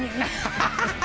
ハハハハ！